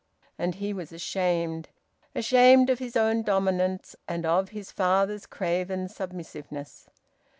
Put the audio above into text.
And he was ashamed: ashamed of his own dominance and of his father's craven submissiveness.